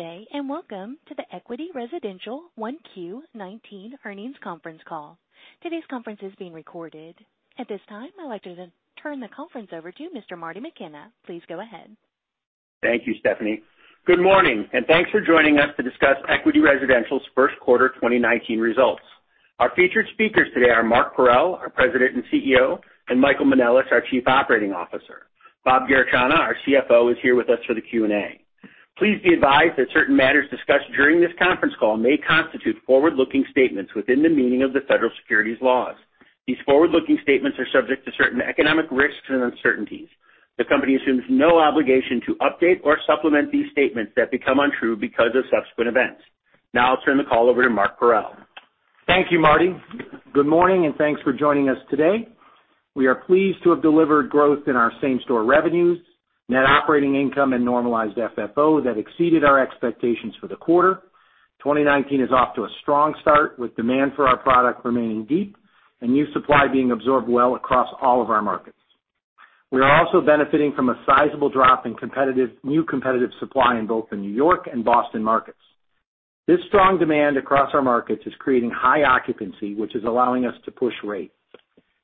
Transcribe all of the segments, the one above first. Good day. Welcome to the Equity Residential One Q 2019 earnings conference call. Today's conference is being recorded. At this time, I'd like to then turn the conference over to Mr. Marty McKenna. Please go ahead. Thank you, Stephanie. Good morning, and thanks for joining us to discuss Equity Residential's first quarter 2019 results. Our featured speakers today are Mark Parrell, our President and CEO; and Michael Manelis, our Chief Operating Officer. Bob Garechana, our CFO, is here with us for the Q&A. Please be advised that certain matters discussed during this conference call may constitute forward-looking statements within the meaning of the federal securities laws. These forward-looking statements are subject to certain economic risks and uncertainties. The company assumes no obligation to update or supplement these statements that become untrue because of subsequent events. I'll turn the call over to Mark Parrell. Thank you, Marty. Good morning, and thanks for joining us today. We are pleased to have delivered growth in our same-store revenues, net operating income and Normalized FFO that exceeded our expectations for the quarter. 2019 is off to a strong start, with demand for our product remaining deep and new supply being absorbed well across all of our markets. We are also benefiting from a sizable drop in new competitive supply in both the New York and Boston markets. This strong demand across our markets is creating high occupancy, which is allowing us to push rates.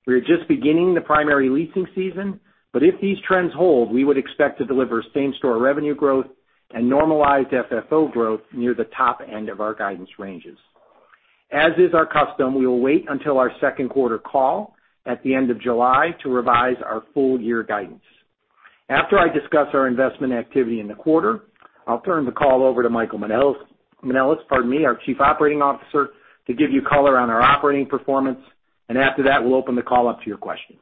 We are just beginning the primary leasing season, but if these trends hold, we would expect to deliver same-store revenue growth and Normalized FFO growth near the top end of our guidance ranges. As is our custom, we will wait until our second quarter call at the end of July to revise our full year guidance. After I discuss our investment activity in the quarter, I'll turn the call over to Michael Manelis, pardon me, our Chief Operating Officer, to give you color on our operating performance. After that, we'll open the call up to your questions.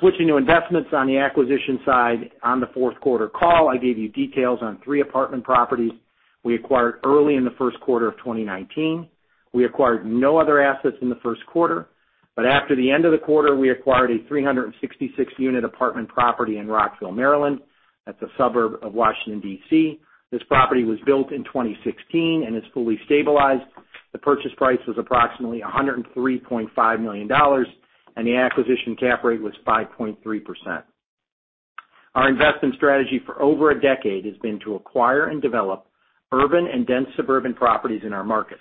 Switching to investments. On the acquisition side, on the fourth quarter call, I gave you details on 3 apartment properties we acquired early in the first quarter of 2019. We acquired no other assets in the first quarter, but after the end of the quarter, we acquired a 366-unit apartment property in Rockville, Maryland. That's a suburb of Washington, D.C. This property was built in 2016 and is fully stabilized. The purchase price was approximately $103.5 million, and the acquisition cap rate was 5.3%. Our investment strategy for over a decade has been to acquire and develop urban and dense suburban properties in our markets.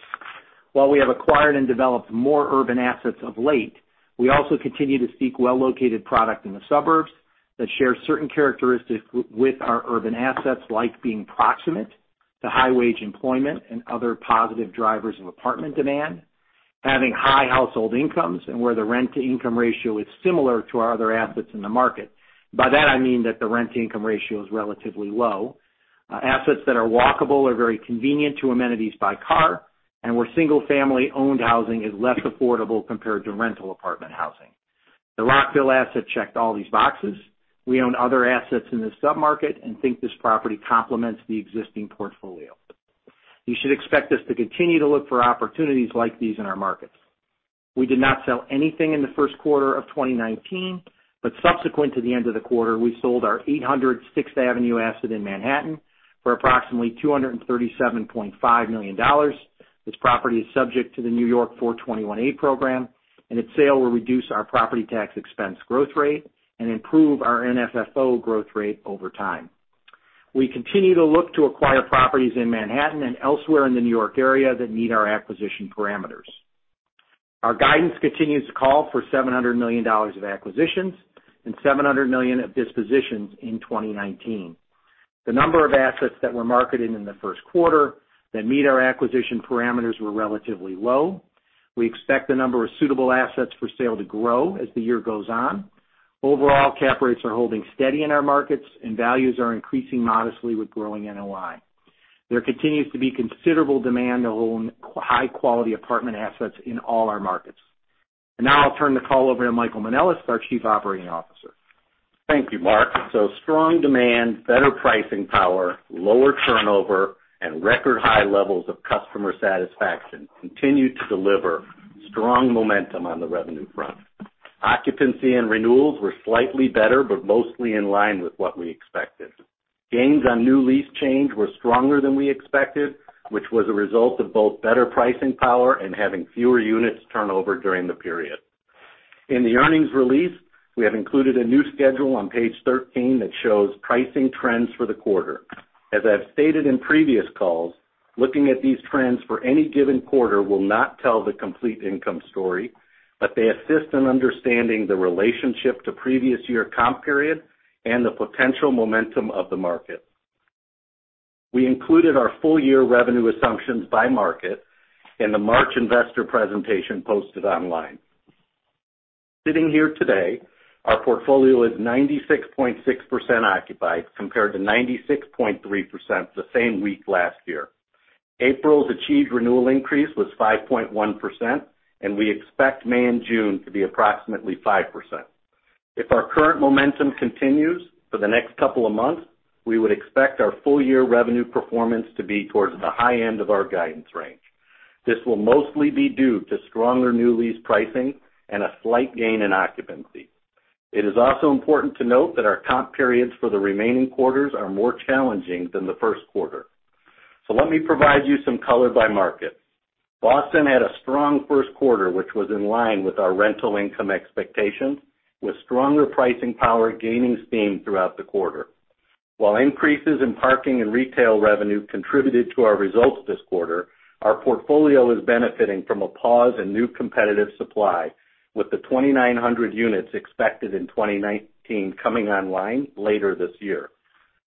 While we have acquired and developed more urban assets of late, we also continue to seek well-located product in the suburbs that share certain characteristics with our urban assets, like being proximate to high-wage employment and other positive drivers of apartment demand; having high household incomes and where the rent-to-income ratio is similar to our other assets in the market. By that, I mean that the rent-to-income ratio is relatively low. Assets that are walkable or very convenient to amenities by car, and where single-family owned housing is less affordable compared to rental apartment housing. The Rockville asset checked all these boxes. We own other assets in this sub-market and think this property complements the existing portfolio. You should expect us to continue to look for opportunities like these in our markets. We did not sell anything in the first quarter of 2019. Subsequent to the end of the quarter, we sold our 800 6th Avenue asset in Manhattan for approximately $237.5 million. This property is subject to the New York 421-a program, and its sale will reduce our property tax expense growth rate and improve our NFFO growth rate over time. We continue to look to acquire properties in Manhattan and elsewhere in the New York area that meet our acquisition parameters. Our guidance continues to call for $700 million of acquisitions and $700 million of dispositions in 2019. The number of assets that we're marketing in the first quarter that meet our acquisition parameters were relatively low. We expect the number of suitable assets for sale to grow as the year goes on. Overall, cap rates are holding steady in our markets, and values are increasing modestly with growing NOI. There continues to be considerable demand to own high-quality apartment assets in all our markets. Now I'll turn the call over to Michael Manelis, our Chief Operating Officer. Thank you, Mark. Strong demand, better pricing power, lower turnover, and record high levels of customer satisfaction continue to deliver strong momentum on the revenue front. Occupancy and renewals were slightly better, but mostly in line with what we expected. Gains on new lease change were stronger than we expected, which was a result of both better pricing power and having fewer units turnover during the period. In the earnings release, we have included a new schedule on page 13 that shows pricing trends for the quarter. As I've stated in previous calls, looking at these trends for any given quarter will not tell the complete income story, but they assist in understanding the relationship to previous year comp period and the potential momentum of the market. We included our full year revenue assumptions by market in the March investor presentation posted online. Sitting here today, our portfolio is 96.6% occupied, compared to 96.3% the same week last year. April's achieved renewal increase was 5.1%, and we expect May and June to be approximately 5%. If our current momentum continues for the next couple of months, we would expect our full year revenue performance to be towards the high end of our guidance range. This will mostly be due to stronger new lease pricing and a slight gain in occupancy. It is also important to note that our comp periods for the remaining quarters are more challenging than the first quarter. Let me provide you some color by market. Boston had a strong first quarter, which was in line with our rental income expectations, with stronger pricing power gaining steam throughout the quarter. While increases in parking and retail revenue contributed to our results this quarter, our portfolio is benefiting from a pause in new competitive supply with the 2,900 units expected in 2019 coming online later this year.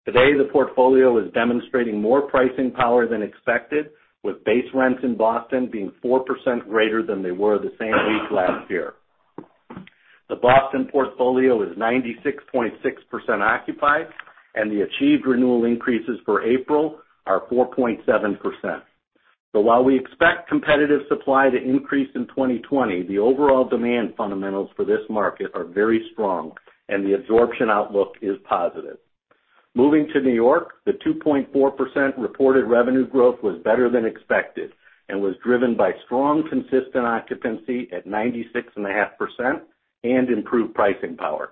Today, the portfolio is demonstrating more pricing power than expected, with base rents in Boston being 4% greater than they were the same week last year. The Boston portfolio is 96.6% occupied, and the achieved renewal increases for April are 4.7%. While we expect competitive supply to increase in 2020, the overall demand fundamentals for this market are very strong, and the absorption outlook is positive. Moving to New York, the 2.4% reported revenue growth was better than expected and was driven by strong, consistent occupancy at 96.5% and improved pricing power.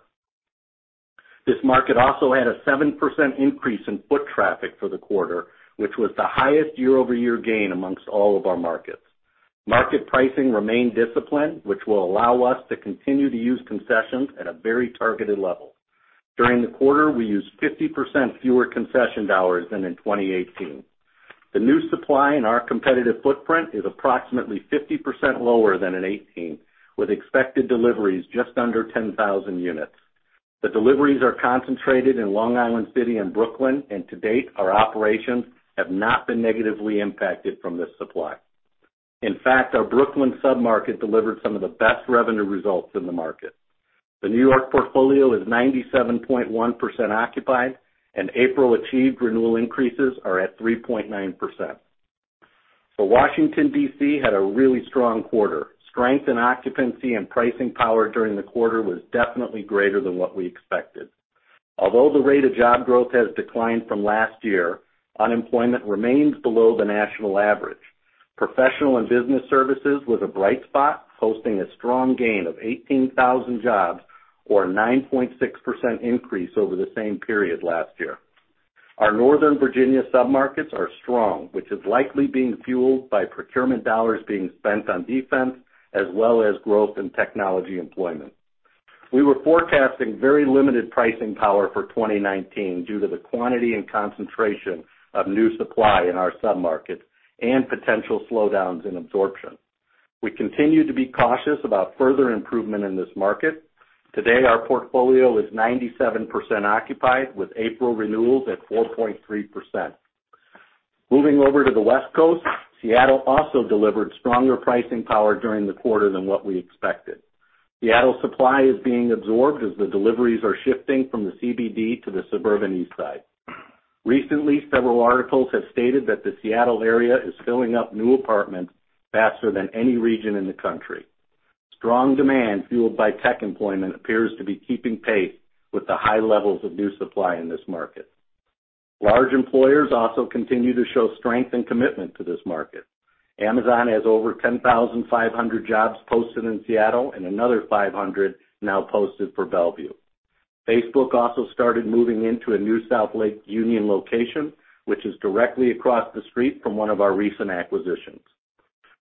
This market also had a 7% increase in foot traffic for the quarter, which was the highest year-over-year gain amongst all of our markets. Market pricing remained disciplined, which will allow us to continue to use concessions at a very targeted level. During the quarter, we used 50% fewer concession dollars than in 2018. The new supply in our competitive footprint is approximately 50% lower than in 2018, with expected deliveries just under 10,000 units. The deliveries are concentrated in Long Island City and Brooklyn, and to date, our operations have not been negatively impacted from this supply. In fact, our Brooklyn submarket delivered some of the best revenue results in the market. The New York portfolio is 97.1% occupied, and April achieved renewal increases are at 3.9%. Washington, D.C. had a really strong quarter. Strength in occupancy and pricing power during the quarter was definitely greater than what we expected. Although the rate of job growth has declined from last year, unemployment remains below the national average. Professional and business services was a bright spot, posting a strong gain of 18,000 jobs or a 9.6% increase over the same period last year. Our Northern Virginia submarkets are strong, which is likely being fueled by procurement dollars being spent on defense as well as growth in technology employment. We were forecasting very limited pricing power for 2019 due to the quantity and concentration of new supply in our submarkets and potential slowdowns in absorption. We continue to be cautious about further improvement in this market. Today, our portfolio is 97% occupied, with April renewals at 4.3%. Moving over to the West Coast, Seattle also delivered stronger pricing power during the quarter than what we expected. Seattle supply is being absorbed as the deliveries are shifting from the CBD to the suburban east side. Recently, several articles have stated that the Seattle area is filling up new apartments faster than any region in the country. Strong demand fueled by tech employment appears to be keeping pace with the high levels of new supply in this market. Large employers also continue to show strength and commitment to this market. Amazon has over 10,500 jobs posted in Seattle and another 500 now posted for Bellevue. Facebook also started moving into a new South Lake Union location, which is directly across the street from one of our recent acquisitions.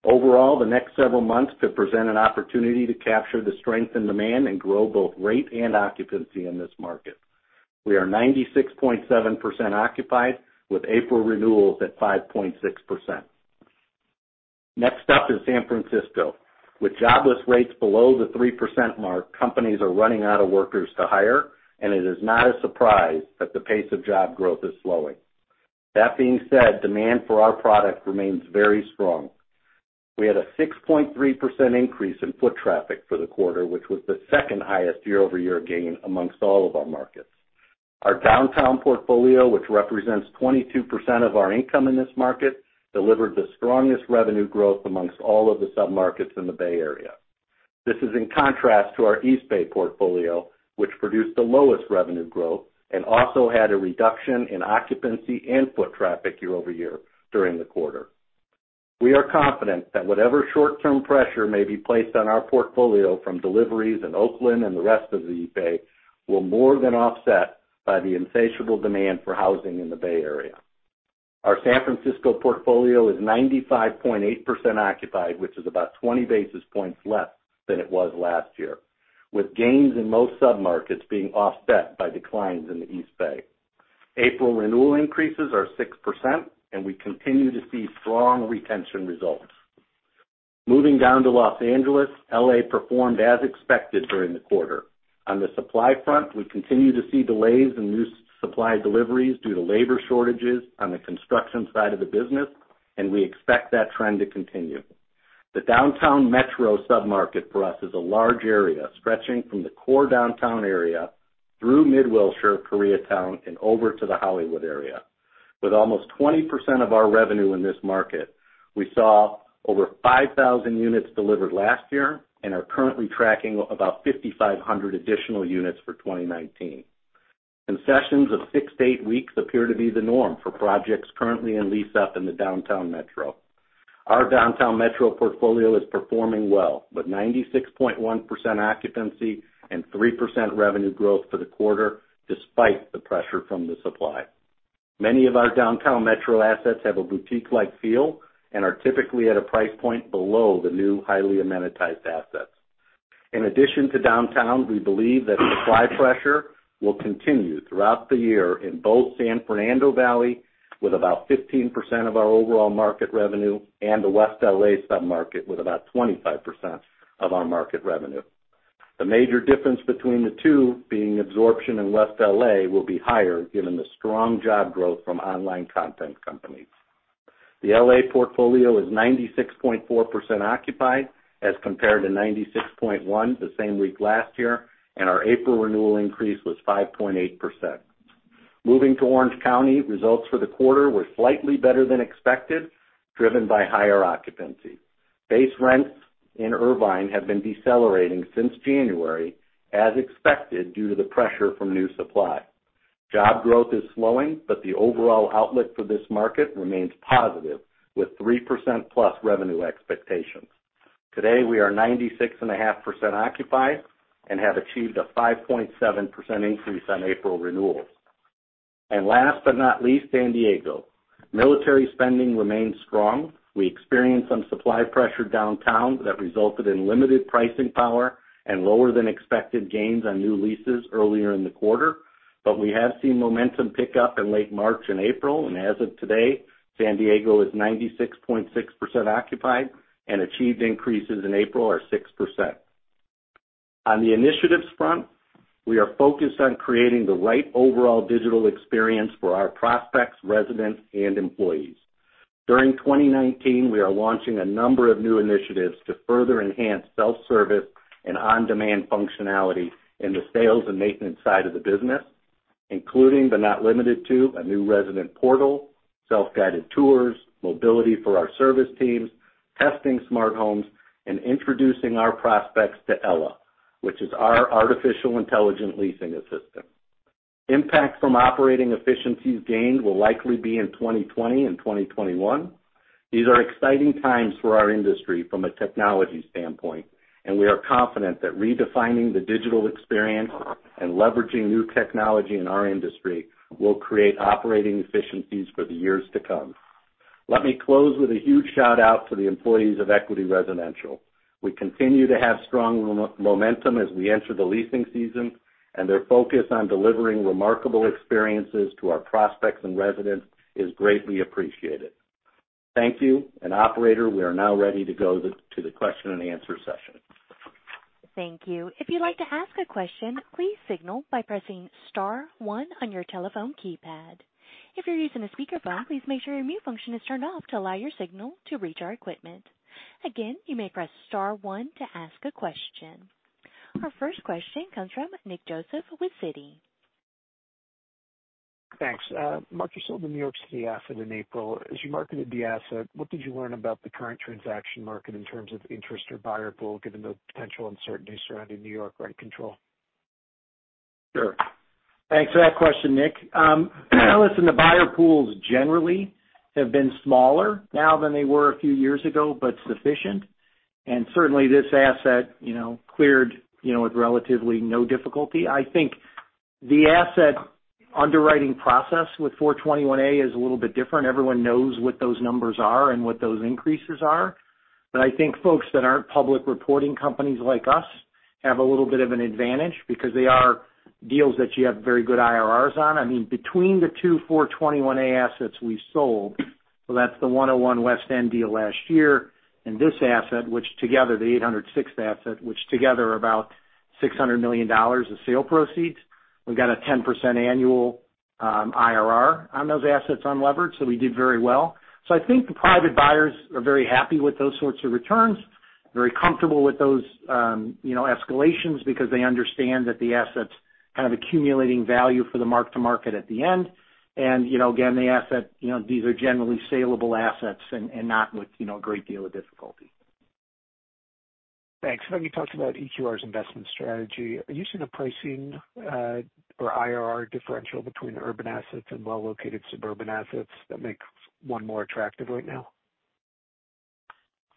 Overall, the next several months could present an opportunity to capture the strength in demand and grow both rate and occupancy in this market. We are 96.7% occupied, with April renewals at 5.6%. Next up is San Francisco. With jobless rates below the 3% mark, companies are running out of workers to hire. It is not a surprise that the pace of job growth is slowing. That being said, demand for our product remains very strong. We had a 6.3% increase in foot traffic for the quarter, which was the second highest year-over-year gain amongst all of our markets. Our downtown portfolio, which represents 22% of our income in this market, delivered the strongest revenue growth amongst all of the submarkets in the Bay Area. This is in contrast to our East Bay portfolio, which produced the lowest revenue growth and also had a reduction in occupancy and foot traffic year-over-year during the quarter. We are confident that whatever short-term pressure may be placed on our portfolio from deliveries in Oakland and the rest of the Bay will more than offset by the insatiable demand for housing in the Bay Area. Our San Francisco portfolio is 95.8% occupied, which is about 20 basis points less than it was last year, with gains in most submarkets being offset by declines in the East Bay. April renewal increases are 6%, and we continue to see strong retention results. Moving down to Los Angeles, L.A. performed as expected during the quarter. On the supply front, we continue to see delays in new supply deliveries due to labor shortages on the construction side of the business, and we expect that trend to continue. The Downtown Metro submarket for us is a large area, stretching from the core downtown area through Mid-Wilshire, Koreatown, and over to the Hollywood area. With almost 20% of our revenue in this market, we saw over 5,000 units delivered last year and are currently tracking about 5,500 additional units for 2019. Concessions of six to eight weeks appear to be the norm for projects currently in lease-up in the Downtown Metro. Our Downtown Metro portfolio is performing well, with 96.1% occupancy and 3% revenue growth for the quarter, despite the pressure from the supply. Many of our Downtown Metro assets have a boutique-like feel and are typically at a price point below the new highly amenitized assets. In addition to downtown, we believe that supply pressure will continue throughout the year in both San Fernando Valley, with about 15% of our overall market revenue, and the West L.A. sub-market, with about 25% of our market revenue. The major difference between the two being absorption in West L.A. will be higher given the strong job growth from online content companies. The L.A. portfolio is 96.4% occupied as compared to 96.1% the same week last year. Our April renewal increase was 5.8%. Moving to Orange County, results for the quarter were slightly better than expected, driven by higher occupancy. Base rents in Irvine have been decelerating since January as expected, due to the pressure from new supply. Job growth is slowing, the overall outlook for this market remains positive, with 3% plus revenue expectations. Today, we are 96.5% occupied and have achieved a 5.7% increase on April renewals. Last but not least, San Diego. Military spending remains strong. We experienced some supply pressure downtown that resulted in limited pricing power and lower than expected gains on new leases earlier in the quarter. We have seen momentum pick up in late March and April, and as of today, San Diego is 96.6% occupied and achieved increases in April are 6%. On the initiatives front, we are focused on creating the right overall digital experience for our prospects, residents, and employees. During 2019, we are launching a number of new initiatives to further enhance self-service and on-demand functionality in the sales and maintenance side of the business, including, but not limited to, a new resident portal, self-guided tours, mobility for our service teams, testing smart homes, and introducing our prospects to Ella, which is our artificial intelligent leasing assistant. Impact from operating efficiencies gained will likely be in 2020 and 2021. These are exciting times for our industry from a technology standpoint. We are confident that redefining the digital experience and leveraging new technology in our industry will create operating efficiencies for the years to come. Let me close with a huge shout-out to the employees of Equity Residential. We continue to have strong momentum as we enter the leasing season, their focus on delivering remarkable experiences to our prospects and residents is greatly appreciated. Thank you. Operator, we are now ready to go to the question and answer session. Thank you. If you'd like to ask a question, please signal by pressing star one on your telephone keypad. If you're using a speakerphone, please make sure your mute function is turned off to allow your signal to reach our equipment. Again, you may press star one to ask a question. Our first question comes from Nicholas Joseph with Citi. Thanks. Mark, you sold the New York City asset in April. As you marketed the asset, what did you learn about the current transaction market in terms of interest or buyer pool, given the potential uncertainty surrounding New York rent control? Sure. Thanks for that question, Nick. Buyer pools generally have been smaller now than they were a few years ago, but sufficient. Certainly, this asset cleared with relatively no difficulty. I think the asset underwriting process with 421-a is a little bit different. Everyone knows what those numbers are and what those increases are. I think folks that aren't public reporting companies like us have a little bit of an advantage because they are deals that you have very good IRRs on. Between the two 421-a assets we sold, so that's the 101 West End deal last year and this asset, the 806 asset, which together are about $600 million of sale proceeds. We've got a 10% annual IRR on those assets unlevered, so we did very well. I think the private buyers are very happy with those sorts of returns, very comfortable with those escalations because they understand that the asset's kind of accumulating value for the mark-to-market at the end. Again, these are generally saleable assets and not with a great deal of difficulty. Thanks. I know you talked about EQR's investment strategy. Are you seeing a pricing or IRR differential between urban assets and well-located suburban assets that makes one more attractive right now?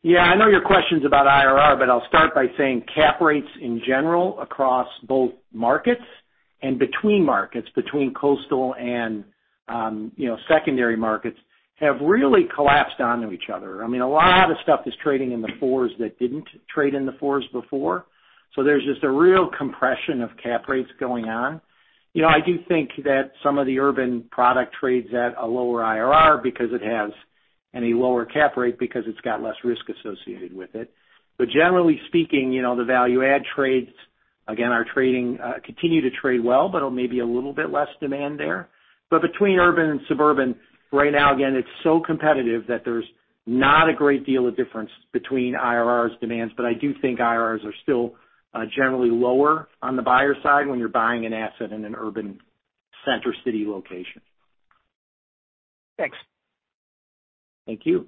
Yeah, I know your question's about IRR, but I'll start by saying cap rates in general across both markets and between markets, between coastal and secondary markets, have really collapsed onto each other. A lot of stuff is trading in the fours that didn't trade in the fours before. There's just a real compression of cap rates going on. I do think that some of the urban product trades at a lower IRR and a lower cap rate because it's got less risk associated with it. Generally speaking, the value add trades, again, continue to trade well, but maybe a little bit less demand there. Between urban and suburban right now, again, it's so competitive that there's not a great deal of difference between IRRs demands. I do think IRRs are still generally lower on the buyer side when you're buying an asset in an urban center city location. Thanks. Thank you.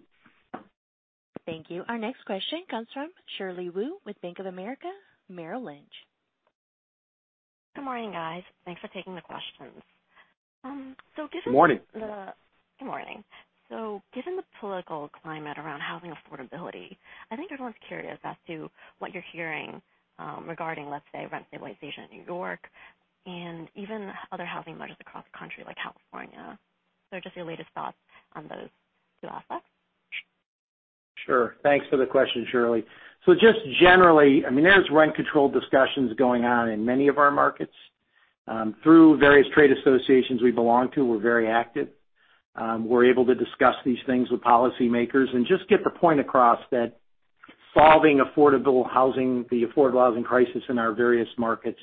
Thank you. Our next question comes from Shirley Wu with Bank of America Merrill Lynch. Good morning, guys. Thanks for taking the questions. Morning. Good morning. Given the political climate around housing affordability, I think everyone's curious as to what you're hearing regarding, let's say, rent stabilization in New York and even other housing markets across the country, like California. Just your latest thoughts on those two assets. Sure. Thanks for the question, Shirley. Just generally, there's rent control discussions going on in many of our markets. Through various trade associations we belong to, we're very active. We're able to discuss these things with policymakers and just get the point across that solving the affordable housing crisis in our various markets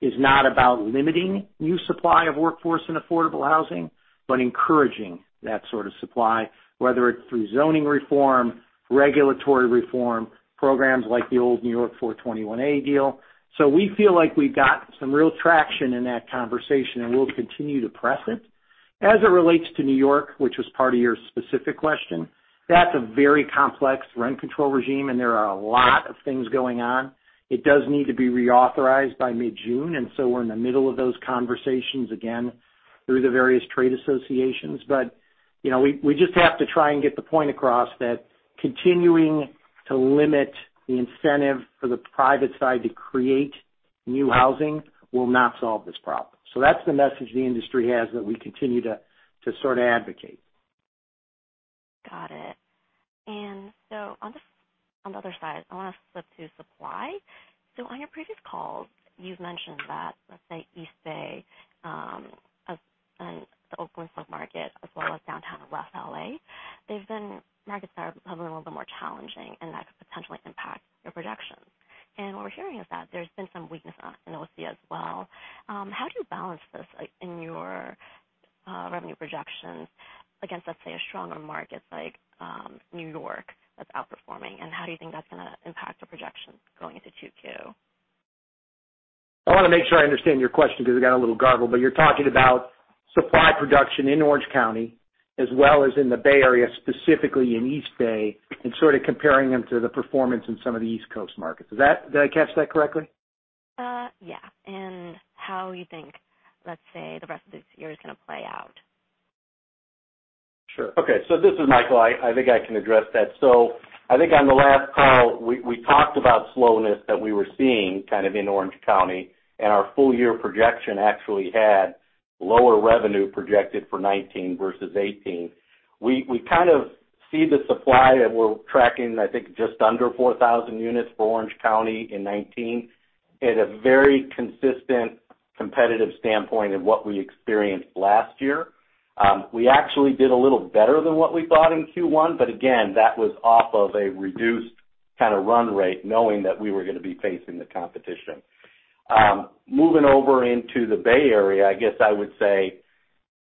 is not about limiting new supply of workforce in affordable housing, but encouraging that sort of supply, whether it's through zoning reform, regulatory reform, programs like the old New York 421-a deal. We feel like we've got some real traction in that conversation, and we'll continue to press it. As it relates to New York, which was part of your specific question, that's a very complex rent control regime, and there are a lot of things going on. It does need to be reauthorized by mid-June, we're in the middle of those conversations again through the various trade associations. We just have to try and get the point across that continuing to limit the incentive for the private side to create new housing will not solve this problem. That's the message the industry has that we continue to sort of advocate. Got it. On the other side, I want to flip to supply. On your previous calls, you've mentioned that, let's say East Bay, and the Oakland sub-market, as well as downtown West L.A., they've been markets that are probably a little bit more challenging and that could potentially impact your projections. What we're hearing is that there's been some weakness in OC as well. How do you balance this in your revenue projections against, let's say, a stronger market like New York that's outperforming, and how do you think that's going to impact the projections going into 2Q? I want to make sure I understand your question because it got a little garbled, you're talking about supply production in Orange County as well as in the Bay Area, specifically in East Bay, and sort of comparing them to the performance in some of the East Coast markets. Did I catch that correctly? Yeah. How you think, let's say, the rest of this year is going to play out. Sure. Okay. This is Michael. I think I can address that. I think on the last call, we talked about slowness that we were seeing kind of in Orange County, and our full-year projection actually had lower revenue projected for 2019 versus 2018. We kind of see the supply that we're tracking, I think just under 4,000 units for Orange County in 2019, at a very consistent, competitive standpoint of what we experienced last year. We actually did a little better than what we thought in Q1, but again, that was off of a reduced kind of run rate, knowing that we were going to be facing the competition. Moving over into the Bay Area, I guess I would say,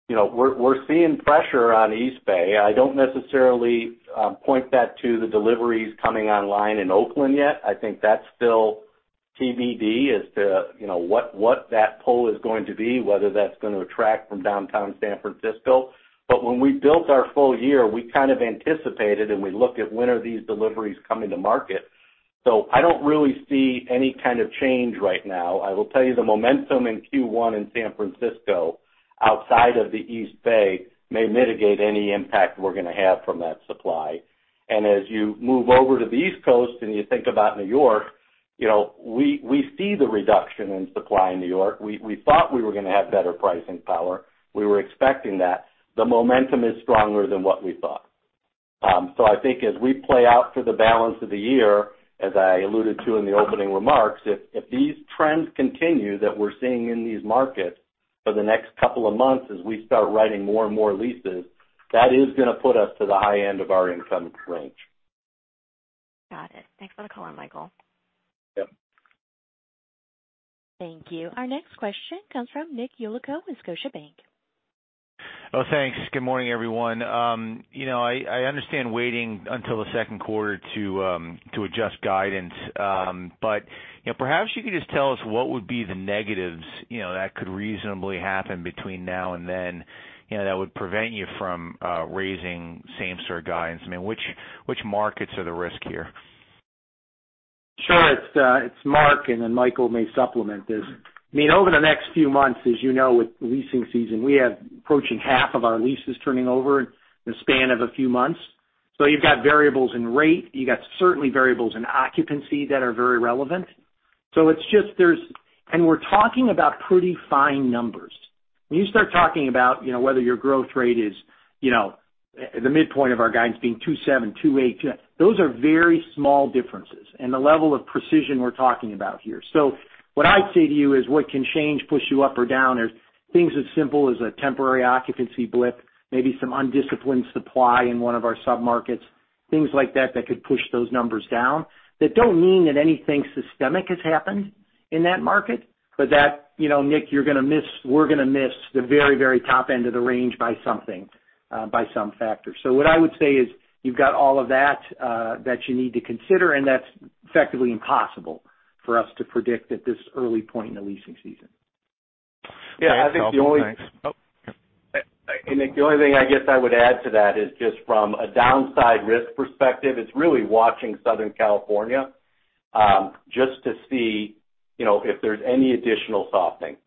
we're seeing pressure on East Bay. I don't necessarily point that to the deliveries coming online in Oakland yet. I think that's still TBD as to what that pull is going to be, whether that's going to attract from downtown San Francisco. When we built our full year, we kind of anticipated, and we looked at when are these deliveries coming to market. I don't really see any kind of change right now. I will tell you the momentum in Q1 in San Francisco outside of the East Bay may mitigate any impact we're going to have from that supply. As you move over to the East Coast and you think about New York, we see the reduction in supply in New York. We thought we were going to have better pricing power. We were expecting that. The momentum is stronger than what we thought. I think as we play out for the balance of the year, as I alluded to in the opening remarks, if these trends continue that we're seeing in these markets for the next couple of months as we start writing more and more leases, that is going to put us to the high end of our income range. Got it. Thanks for the color, Michael. Yep. Thank you. Our next question comes from Nick Yulico with Scotiabank. Oh, thanks. Good morning, everyone. I understand waiting until the second quarter to adjust guidance. Perhaps you could just tell us what would be the negatives that could reasonably happen between now and then that would prevent you from raising same store guidance. I mean, which markets are the risk here? Sure. It's Mark, then Michael may supplement this. Over the next few months, as you know, with leasing season, we have approaching half of our leases turning over in the span of a few months. You've got variables in rate. You've got certainly variables in occupancy that are very relevant. We're talking about pretty fine numbers. When you start talking about whether your growth rate is the midpoint of our guidance being 2.7, 2.8, those are very small differences in the level of precision we're talking about here. What I'd say to you is what can change push you up or down are things as simple as a temporary occupancy blip, maybe some undisciplined supply in one of our sub-markets, things like that could push those numbers down. That don't mean that anything systemic has happened in that market, that Nick, we're going to miss the very top end of the range by something, by some factor. What I would say is you've got all of that you need to consider, and that's effectively impossible for us to predict at this early point in the leasing season. Yeah. I think the only- Thanks. Oh, yep. Nick, the only thing I guess I would add to that is just from a downside risk perspective, it's really watching Southern California. Just to see if there's any additional softening,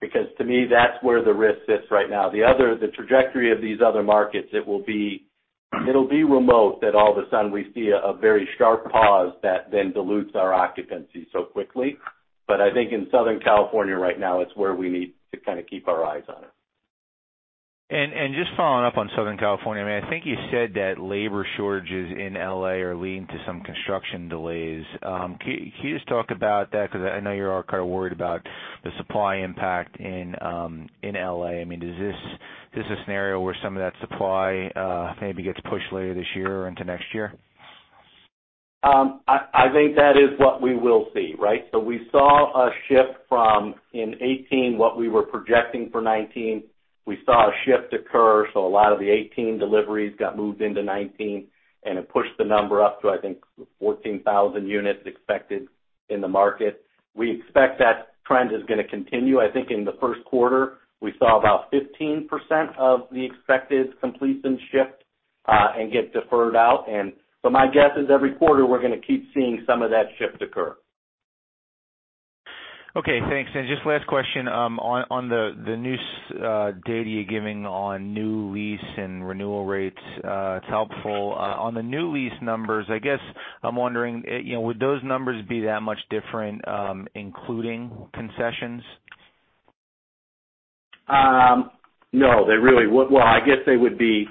because to me, that's where the risk sits right now. The trajectory of these other markets, it'll be remote that all of a sudden we see a very sharp pause that then dilutes our occupancy so quickly. I think in Southern California right now, it's where we need to kind of keep our eyes on it. Just following up on Southern California. I think you said that labor shortages in L.A. are leading to some construction delays. Can you just talk about that? Because I know you're all kind of worried about the supply impact in L.A. Is this a scenario where some of that supply maybe gets pushed later this year or into next year? I think that is what we will see, right? We saw a shift from in 2018, what we were projecting for 2019. We saw a shift occur, a lot of the 2018 deliveries got moved into 2019, and it pushed the number up to, I think, 14,000 units expected in the market. We expect that trend is going to continue. I think in the first quarter, we saw about 15% of the expected completes and shift and get deferred out. My guess is every quarter, we're going to keep seeing some of that shift occur. Okay, thanks. Just last question, on the new data you're giving on new lease and renewal rates, it's helpful. On the new lease numbers, I guess I'm wondering, would those numbers be that much different including concessions? No, they really wouldn't. Well, I guess they would be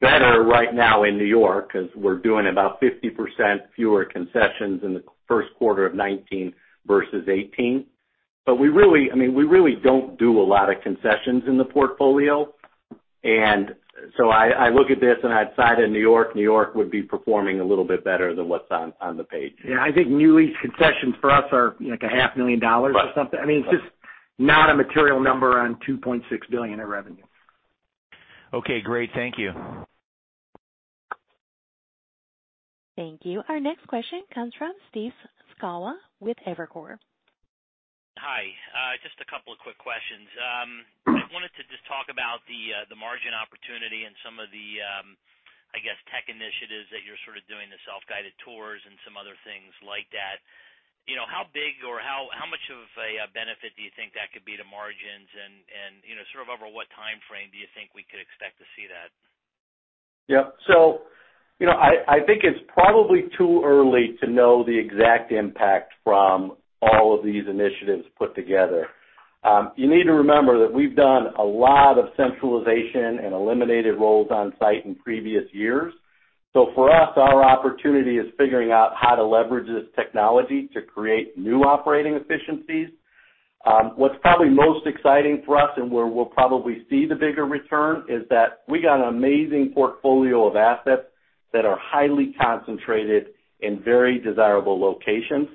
better right now in New York, because we're doing about 50% fewer concessions in the first quarter of 2019 versus 2018. We really don't do a lot of concessions in the portfolio. I look at this and outside of New York, New York would be performing a little bit better than what's on the page. Yeah, I think new lease concessions for us are like a half million dollars or something. It's just not a material number on $2.6 billion in revenue. Okay, great. Thank you. Thank you. Our next question comes from Steve Sakwa with Evercore. Hi. Just a couple of quick questions. I wanted to just talk about the margin opportunity and some of the, I guess, tech initiatives that you're sort of doing, the self-guided tours and some other things like that. How big or how much of a benefit do you think that could be to margins, and sort of over what timeframe do you think we could expect to see that? Yeah. I think it's probably too early to know the exact impact from all of these initiatives put together. You need to remember that we've done a lot of centralization and eliminated roles on site in previous years. For us, our opportunity is figuring out how to leverage this technology to create new operating efficiencies. What's probably most exciting for us and where we'll probably see the bigger return is that we got an amazing portfolio of assets that are highly concentrated in very desirable locations.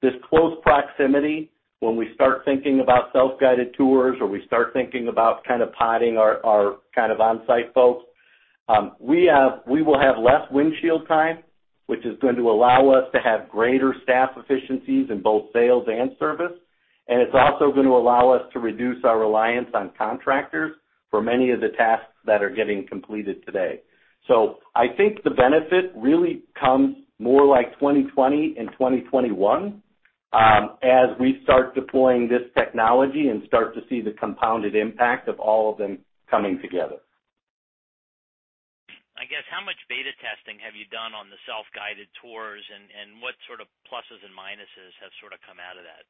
This close proximity, when we start thinking about self-guided tours or we start thinking about kind of podding our kind of on-site folks, we will have less windshield time, which is going to allow us to have greater staff efficiencies in both sales and service. It's also going to allow us to reduce our reliance on contractors for many of the tasks that are getting completed today. I think the benefit really comes more like 2020 and 2021, as we start deploying this technology and start to see the compounded impact of all of them coming together. I guess, how much beta testing have you done on the self-guided tours, and what sort of pluses and minuses have sort of come out of that?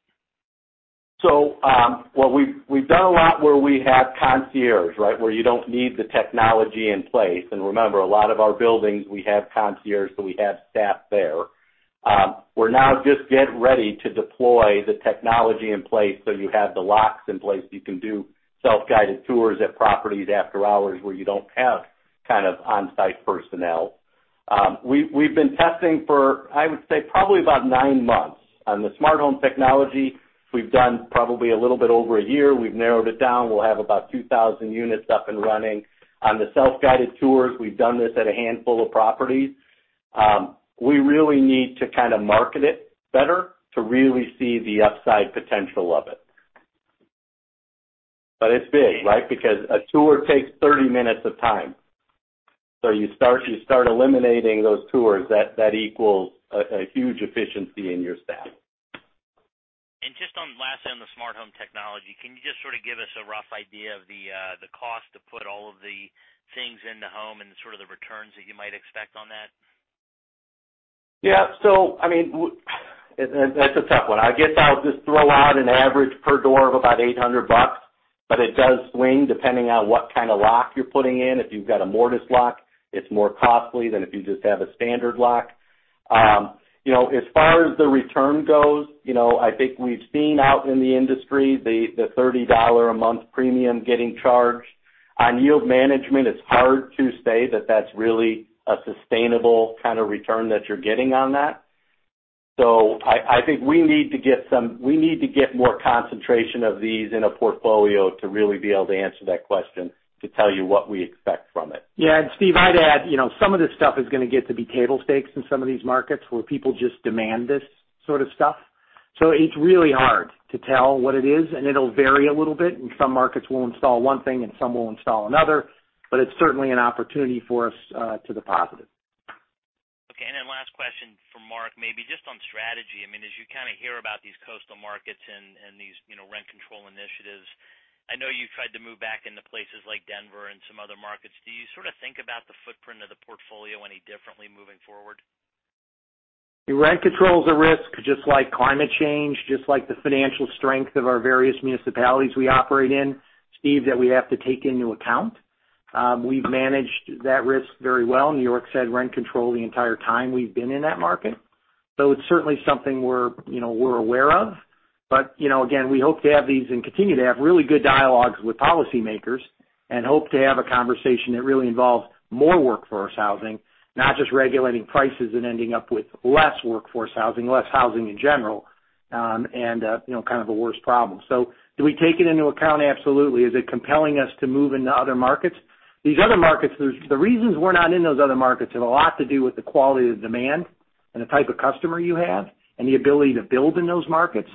We've done a lot where we have concierge, where you don't need the technology in place. Remember, a lot of our buildings, we have concierge, so we have staff there. We're now just getting ready to deploy the technology in place, so you have the locks in place, you can do self-guided tours at properties after hours where you don't have kind of on-site personnel. We've been testing for, I would say, probably about nine months. On the smart home technology, we've done probably a little bit over a year. We've narrowed it down. We'll have about 2,000 units up and running. On the self-guided tours, we've done this at a handful of properties. We really need to kind of market it better to really see the upside potential of it. It's big, because a tour takes 30 minutes of time. You start eliminating those tours, that equals a huge efficiency in your staff. Just lastly on the smart home technology, can you just sort of give us a rough idea of the cost to put all of the things in the home and sort of the returns that you might expect on that? Yeah. That's a tough one. I guess I'll just throw out an average per door of about $800, but it does swing depending on what kind of lock you're putting in. If you've got a mortise lock, it's more costly than if you just have a standard lock. As far as the return goes, I think we've seen out in the industry the $30 a month premium getting charged. On yield management, it's hard to say that that's really a sustainable kind of return that you're getting on that. I think we need to get more concentration of these in a portfolio to really be able to answer that question, to tell you what we expect from it. Yeah. Steve, I'd add, some of this stuff is going to get to be table stakes in some of these markets where people just demand this sort of stuff. It's really hard to tell what it is, and it'll vary a little bit. In some markets, we'll install one thing, and some will install another, but it's certainly an opportunity for us to the positive. Okay. Last question for Mark, maybe just on strategy. As you kind of hear about these coastal markets and these rent control initiatives, I know you've tried to move back into places like Denver and some other markets. Do you sort of think about the footprint of the portfolio any differently moving forward? Rent control is a risk, just like climate change, just like the financial strength of our various municipalities we operate in, Steve, that we have to take into account. We've managed that risk very well. New York's had rent control the entire time we've been in that market. It's certainly something we're aware of. Again, we hope to have these and continue to have really good dialogues with policymakers, and hope to have a conversation that really involves more workforce housing, not just regulating prices and ending up with less workforce housing, less housing in general, and kind of a worse problem. Do we take it into account? Absolutely. Is it compelling us to move into other markets? The reasons we're not in those other markets have a lot to do with the quality of the demand and the type of customer you have, and the ability to build in those markets.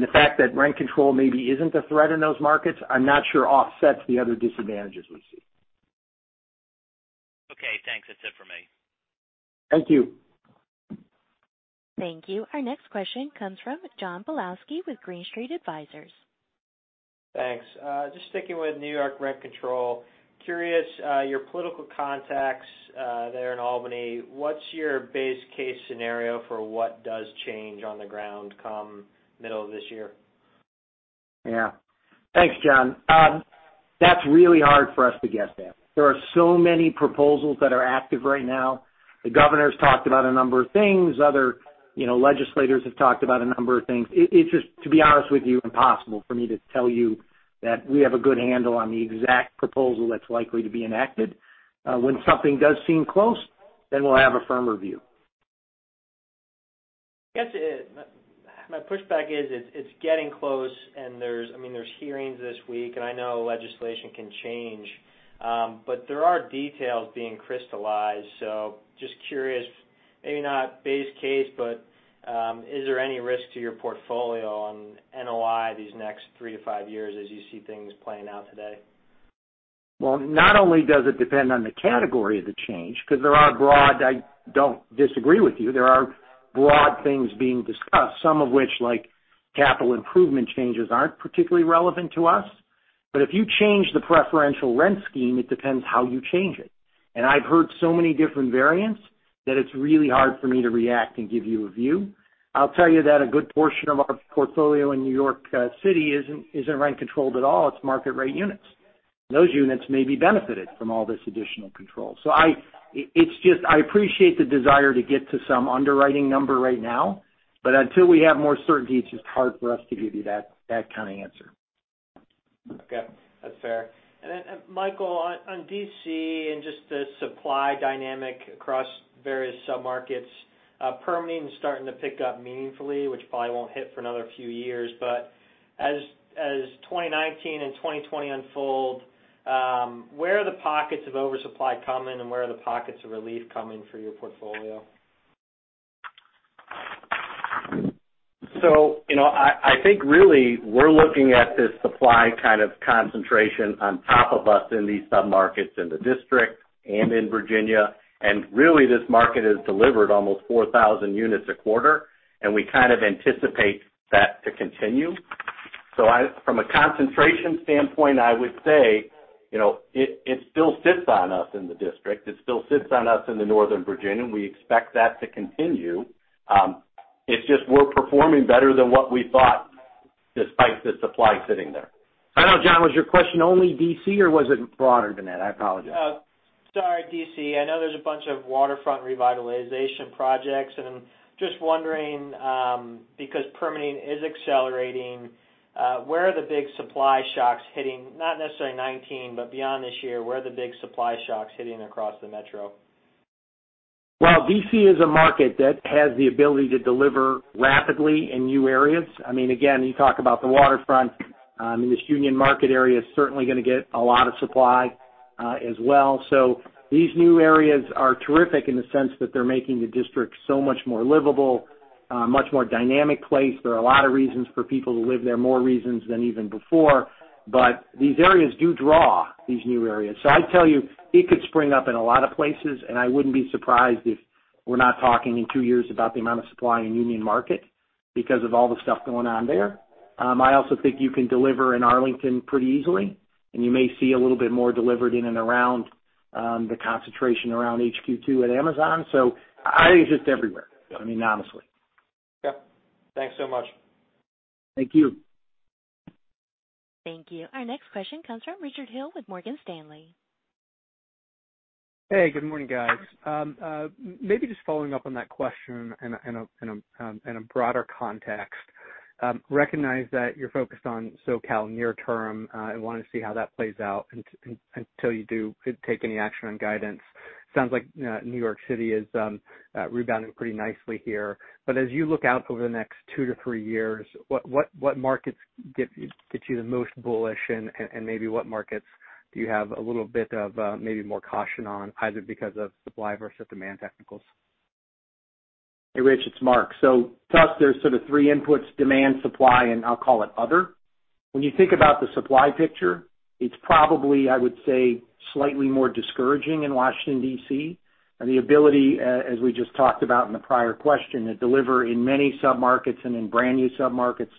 The fact that rent control maybe isn't a threat in those markets, I'm not sure offsets the other disadvantages we see. Okay, thanks. That's it for me. Thank you. Thank you. Our next question comes from John Pawlowski with Green Street Advisors. Thanks. Just sticking with New York rent control. Curious, your political contacts there in Albany, what's your base case scenario for what does change on the ground come middle of this year? Yeah. Thanks, John. That's really hard for us to guess that. There are so many proposals that are active right now. The governor's talked about a number of things. Other legislators have talked about a number of things. It's just, to be honest with you, impossible for me to tell you that we have a good handle on the exact proposal that's likely to be enacted. When something does seem close, then we'll have a firmer view. I guess, my pushback is it's getting close, and there's hearings this week, and I know legislation can change. There are details being crystallized. Just curious, maybe not base case, but, is there any risk to your portfolio on NOI these next three to five years as you see things playing out today? Not only does it depend on the category of the change, because I don't disagree with you. There are broad things being discussed, some of which, like capital improvement changes, aren't particularly relevant to us. If you change the preferential rent scheme, it depends how you change it. I've heard so many different variants that it's really hard for me to react and give you a view. I'll tell you that a good portion of our portfolio in New York City isn't rent controlled at all. It's market-rate units. Those units may be benefited from all this additional control. I appreciate the desire to get to some underwriting number right now, but until we have more certainty, it's just hard for us to give you that kind of answer. Okay. That's fair. Michael, on D.C. and just the supply dynamic across various sub-markets, permitting is starting to pick up meaningfully, which probably won't hit for another few years. As 2019 and 2020 unfold, where are the pockets of oversupply coming, and where are the pockets of relief coming for your portfolio? I think really we're looking at this supply kind of concentration on top of us in these sub-markets in the District and in Virginia. Really, this market has delivered almost 4,000 units a quarter, and we kind of anticipate that to continue. From a concentration standpoint, I would say it still sits on us in the District. It still sits on us in the Northern Virginia, and we expect that to continue. It's just we're performing better than what we thought despite the supply sitting there. I don't know, John, was your question only D.C. or was it broader than that? I apologize. Sorry, D.C. I know there's a bunch of waterfront revitalization projects, I'm just wondering, because permitting is accelerating, where are the big supply shocks hitting? Not necessarily 2019, but beyond this year, where are the big supply shocks hitting across the Metro? Well, D.C. is a market that has the ability to deliver rapidly in new areas. Again, you talk about the waterfront. This Union Market area is certainly going to get a lot of supply as well. These new areas are terrific in the sense that they're making the District so much more livable, a much more dynamic place. There are a lot of reasons for people to live there, more reasons than even before. These areas do draw these new areas. I tell you, it could spring up in a lot of places, and I wouldn't be surprised if we're not talking in 2 years about the amount of supply in Union Market because of all the stuff going on there. I also think you can deliver in Arlington pretty easily, and you may see a little bit more delivered in and around the concentration around HQ2 at Amazon. I think it's just everywhere. Honestly. Yeah. Thanks so much. Thank you. Thank you. Our next question comes from Richard Hill with Morgan Stanley. Hey, good morning, guys. As you look out over the next two to three years, what markets get you the most bullish, and maybe what markets do you have a little bit of maybe more caution on, either because of supply versus demand technicals? Recognize that you're focused on SoCal near term, and want to see how that plays out until you do take any action on guidance. Sounds like New York City is rebounding pretty nicely here. Hey, Rich, it's Mark. To us, there's sort of three inputs, demand, supply, and I'll call it other. When you think about the supply picture, it's probably, I would say, slightly more discouraging in Washington, D.C., and the ability, as we just talked about in the prior question, to deliver in many sub-markets and in brand new sub-markets,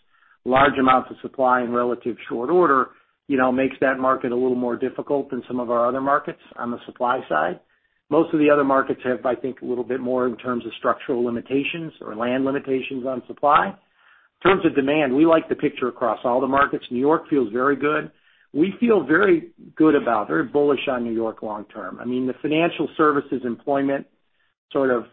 large amounts of supply in relative short order, makes that market a little more difficult than some of our other markets on the supply side. Most of the other markets have, I think, a little bit more in terms of structural limitations or land limitations on supply. In terms of demand, we like the picture across all the markets. New York feels very good. We feel very good about, very bullish on New York long term. The financial services employment sort of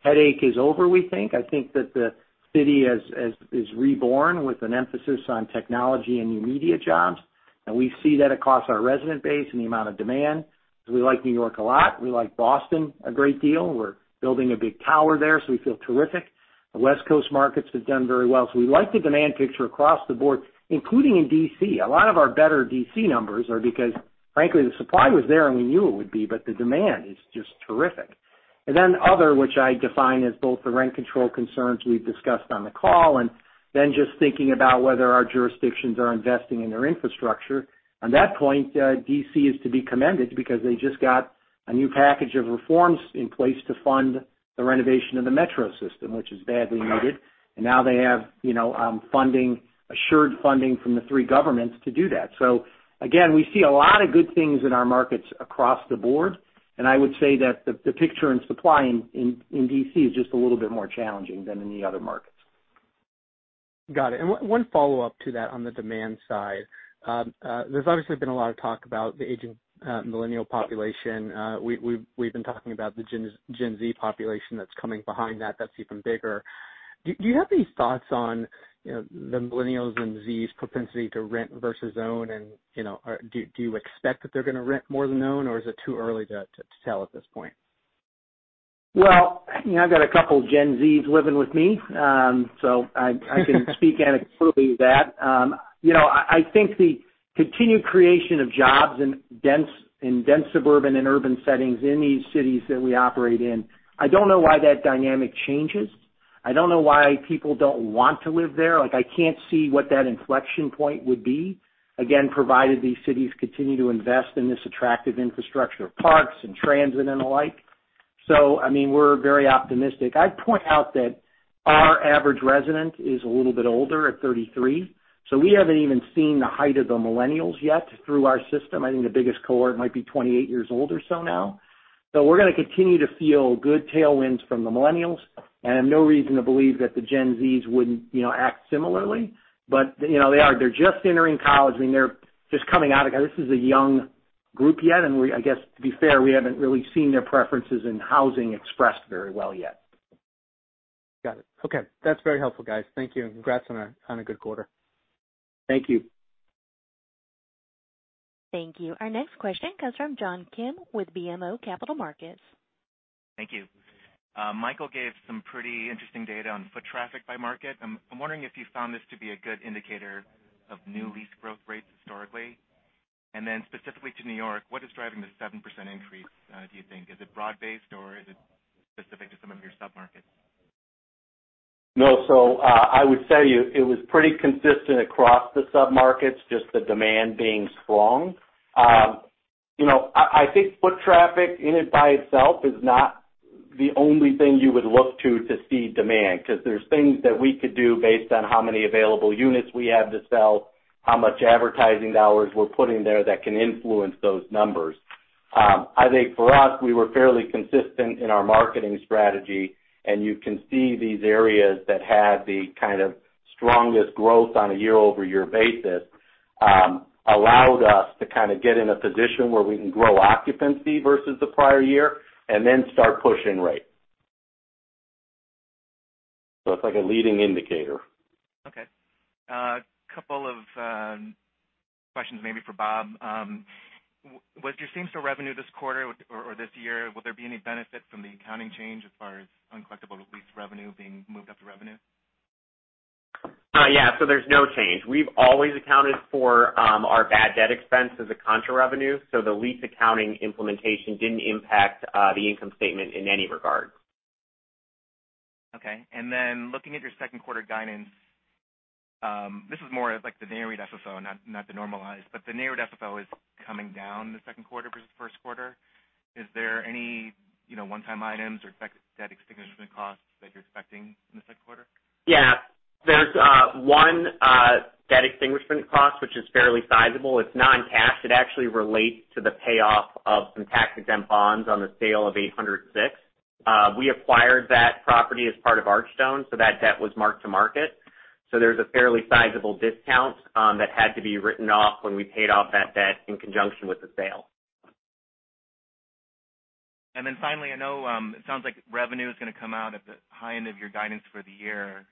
headache is over, we think. I think that the city is reborn with an emphasis on technology and new media jobs, and we see that across our resident base and the amount of demand. We like New York a lot. We like Boston a great deal. We're building a big tower there, so we feel terrific. The West Coast markets have done very well. We like the demand picture across the board, including in D.C. A lot of our better D.C. numbers are because, frankly, the supply was there and we knew it would be, but the demand is just terrific. Other, which I define as both the rent control concerns we've discussed on the call, and then just thinking about whether our jurisdictions are investing in their infrastructure. On that point, D.C. is to be commended because they just got a new package of reforms in place to fund the renovation of the Metro system, which is badly needed. Now they have assured funding from the three governments to do that. Again, we see a lot of good things in our markets across the board, and I would say that the picture in supply in D.C. is just a little bit more challenging than in the other markets. Got it. One follow-up to that on the demand side. There's obviously been a lot of talk about the aging millennial population. We've been talking about the Gen Z population that's coming behind that's even bigger. Do you have any thoughts on the millennials and Z's propensity to rent versus own, and do you expect that they're going to rent more than own, or is it too early to tell at this point? Well, I've got a couple Gen Zs living with me, so I can speak anecdotally to that. I think the continued creation of jobs in dense suburban and urban settings in these cities that we operate in, I don't know why that dynamic changes. I don't know why people don't want to live there. I can't see what that inflection point would be. Again, provided these cities continue to invest in this attractive infrastructure of parks and transit and the like. We're very optimistic. I'd point out that our average resident is a little bit older at 33, so we haven't even seen the height of the millennials yet through our system. I think the biggest cohort might be 28 years old or so now. We're going to continue to feel good tailwinds from the millennials, and I have no reason to believe that the Gen Zs wouldn't act similarly. They're just entering college, they're just coming out of college. This is a young group yet, and I guess to be fair, we haven't really seen their preferences in housing expressed very well yet. Got it. Okay. That's very helpful, guys. Thank you, and congrats on a good quarter. Thank you. Thank you. Our next question comes from John Kim with BMO Capital Markets. Thank you. Michael gave some pretty interesting data on foot traffic by market. I'm wondering if you found this to be a good indicator of new lease growth rates historically. Specifically to New York, what is driving the 7% increase, do you think? Is it broad-based or is it specific to some of your sub-markets? No, I would say it was pretty consistent across the sub-markets, just the demand being strong. I think foot traffic in it by itself is not the only thing you would look to to see demand, because there's things that we could do based on how many available units we have to sell, how much advertising dollars we're putting there that can influence those numbers. I think for us, we were fairly consistent in our marketing strategy, and you can see these areas that had the kind of strongest growth on a year-over-year basis, allowed us to kind of get in a position where we can grow occupancy versus the prior year and then start pushing rate. It's like a leading indicator. Okay. A couple of questions maybe for Bob. With your same-store revenue this quarter or this year, will there be any benefit from the accounting change as far as uncollectible lease revenue being moved up to revenue? Yeah, there's no change. We've always accounted for our bad debt expense as a contra revenue, the lease accounting implementation didn't impact the income statement in any regard. Okay. Looking at your second quarter guidance, this is more of like the reported FFO, not the normalized, but the reported FFO is coming down in the second quarter versus the first quarter. Is there any one-time items or debt extinguishment costs that you're expecting in the second quarter? Yeah. There's one debt extinguishment cost, which is fairly sizable. It's not in cash. It actually relates to the payoff of some tax-exempt bonds on the sale of 806. We acquired that property as part of Archstone, so that debt was marked to market. There's a fairly sizable discount that had to be written off when we paid off that debt in conjunction with the sale. Finally, I know it sounds like revenue is going to come out at the high end of your guidance for the year.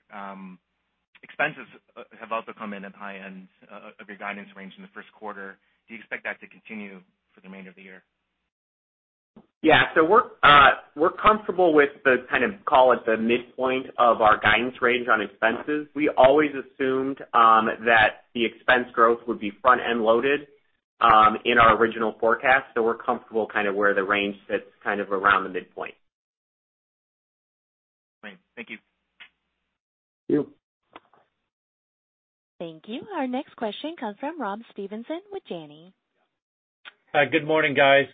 Expenses have also come in at the high end of your guidance range in the first quarter. Do you expect that to continue for the remainder of the year? Yeah. We're comfortable with the kind of, call it the midpoint of our guidance range on expenses. We always assumed that the expense growth would be front-end loaded. in our original forecast. We're comfortable kind of where the range sits, kind of around the midpoint. Great. Thank you. Thank you. Thank you. Our next question comes from Rob Stevenson with Janney. Hi, good morning, guys.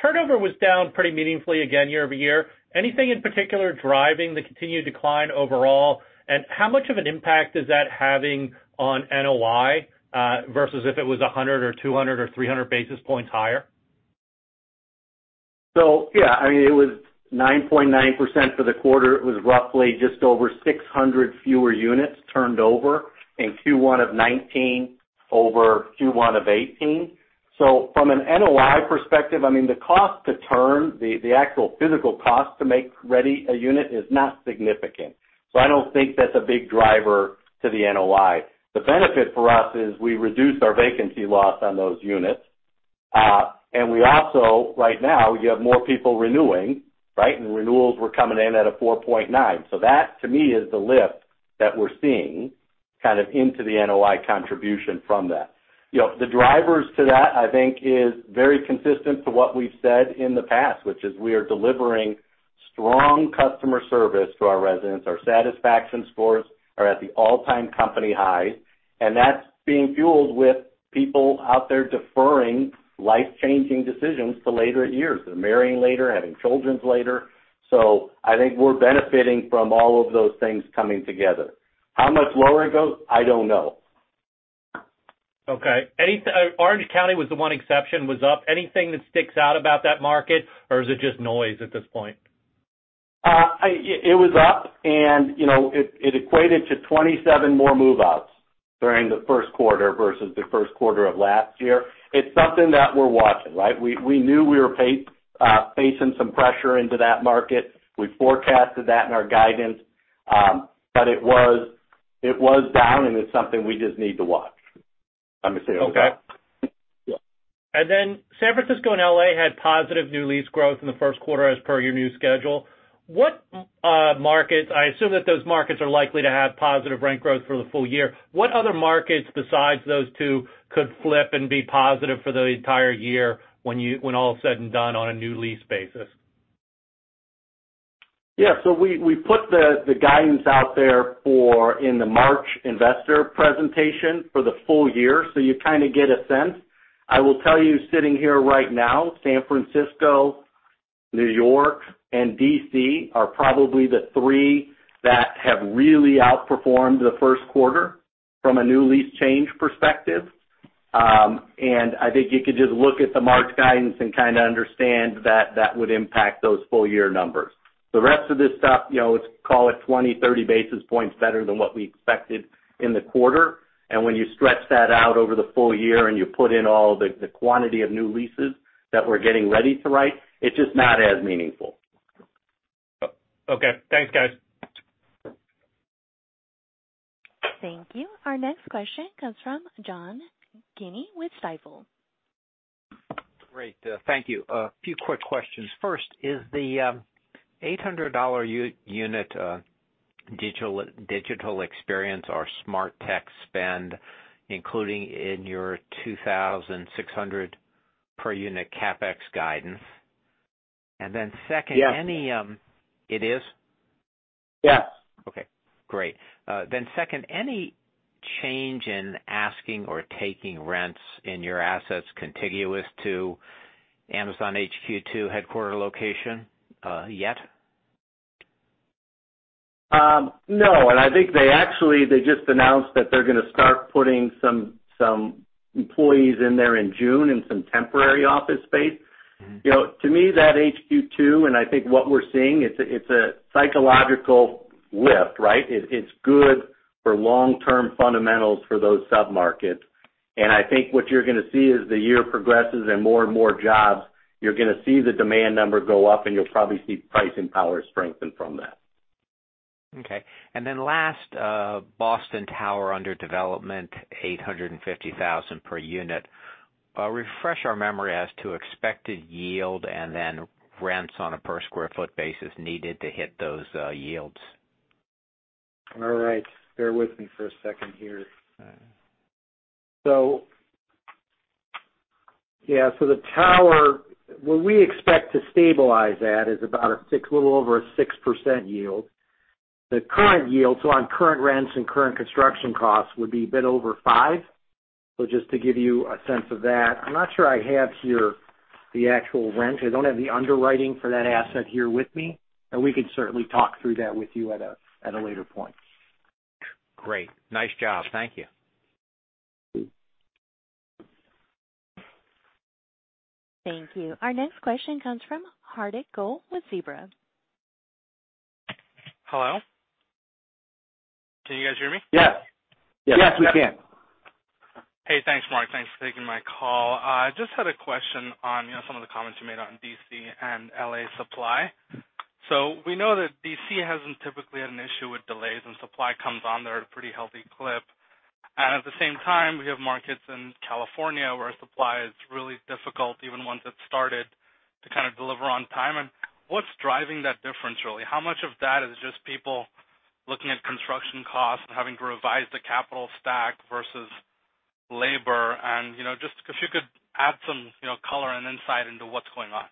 Turnover was down pretty meaningfully again year-over-year. Anything in particular driving the continued decline overall? How much of an impact is that having on NOI versus if it was 100 or 200 or 300 basis points higher? Yeah. I mean, it was 9.9% for the quarter. It was roughly just over 600 fewer units turned over in Q1 2019 over Q1 2018. From an NOI perspective, I mean, the cost to turn, the actual physical cost to make ready a unit is not significant. I don't think that's a big driver to the NOI. The benefit for us is we reduce our vacancy loss on those units. And we also, right now, you have more people renewing, right? Renewals were coming in at a 4.9. That, to me, is the lift that we're seeing kind of into the NOI contribution from that. The drivers to that, I think, is very consistent to what we've said in the past, which is we are delivering strong customer service for our residents. Our satisfaction scores are at the all-time company high. That's being fueled with people out there deferring life-changing decisions to later years. They're marrying later, having children later. I think we're benefiting from all of those things coming together. How much lower it goes, I don't know. Okay. Orange County was the one exception, was up. Anything that sticks out about that market, or is it just noise at this point? It was up. It equated to 27 more move-outs during the first quarter versus the first quarter of last year. It's something that we're watching, right? We knew we were facing some pressure into that market. We forecasted that in our guidance. It was down, and it's something we just need to watch. Okay. Yeah. San Francisco and L.A. had positive new lease growth in the first quarter as per your new schedule. I assume that those markets are likely to have positive rent growth for the full year. What other markets besides those two could flip and be positive for the entire year when all is said and done on a new lease basis? We put the guidance out there in the March investor presentation for the full year, so you kind of get a sense. I will tell you, sitting here right now, San Francisco, New York, and D.C. are probably the three that have really outperformed the first quarter from a new lease change perspective. I think you could just look at the March guidance and kind of understand that that would impact those full year numbers. The rest of this stuff, let's call it 20, 30 basis points better than what we expected in the quarter. When you stretch that out over the full year and you put in all the quantity of new leases that we're getting ready to write, it's just not as meaningful. Okay. Thanks, guys. Thank you. Our next question comes from John Guinee with Stifel. Great. Thank you. A few quick questions. First, is the $800 unit digital experience or smart tech spend, including in your $2,600 per unit CapEx guidance? Second- Yes. It is? Yes. Okay, great. Second, any change in asking or taking rents in your assets contiguous to Amazon HQ to Headquarter location yet? No, I think they actually just announced that they're going to start putting some employees in there in June in some temporary office space. To me, that HQ2, I think what we're seeing, it's a psychological lift, right? It's good for long-term fundamentals for those sub-markets. I think what you're gonna see as the year progresses and more and more jobs, you're gonna see the demand number go up, and you'll probably see pricing power strengthen from that. Okay. Last, Boston Tower under development, $850,000 per unit. Refresh our memory as to expected yield and then rents on a per sq ft basis needed to hit those yields. All right. Bear with me for a second here. All right. Yeah. The tower, what we expect to stabilize at is about a little over a 6% yield. The current yield, on current rents and current construction costs, would be a bit over five. Just to give you a sense of that. I'm not sure I have here the actual rent. I don't have the underwriting for that asset here with me, but we can certainly talk through that with you at a later point. Great. Nice job. Thank you. Thank you. Our next question comes from Hardik Goel with Zelman Partners. Hello? Can you guys hear me? Yes. Yes, we can. Hey, thanks, Mark. Thanks for taking my call. I just had a question on some of the comments you made on D.C. and L.A. supply. We know that D.C. hasn't typically had an issue with delays, and supply comes on there at a pretty healthy clip. At the same time, we have markets in California where supply is really difficult, even once it's started to kind of deliver on time. What's driving that difference, really? How much of that is just people looking at construction costs and having to revise the capital stack versus labor? Just if you could add some color and insight into what's going on.